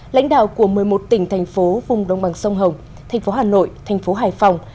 lãnh đạo của một mươi một tỉnh thành phố vùng đồng bằng sông hồng thành phố hà nội thành phố hải phòng